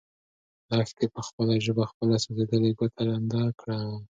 لښتې په خپله ژبه خپله سوځېدلې ګوته لنده کړه.